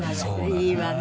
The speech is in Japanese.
いいわね。